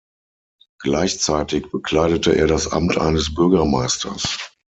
Gleichzeitig bekleidete er das Amt eines Bürgermeisters.